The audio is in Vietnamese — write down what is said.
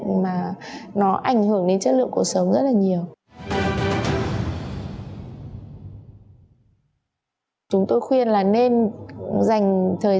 nhiên robot mà nó ảnh hưởng đến chất lượng cuộc sống rất nhiều chúng tôi khuyên là nên dành thời